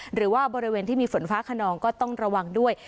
หรือว่าบริเวณที่มีฝนฟ้าขนองก็ต้องระวังด้วย